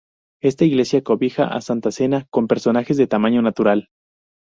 Esta iglesia cobija una Santa Cena con personajes de tamaño natural.